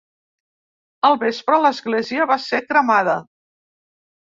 Al vespre l'església va ser cremada.